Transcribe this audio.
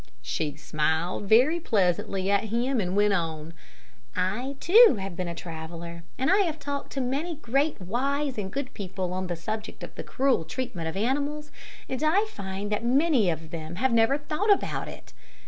She smiled very pleasantly at him and went on. "I, too, have been a traveler, and I have talked to a great many wise and good people on the subject of the cruel treatment of animals, and I find that many of them have never thought about it.